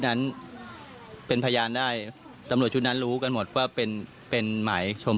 นั้นเป็นพยานได้ตำรวจชุดนั้นรู้กันหมดว่าเป็นเป็นหมายชม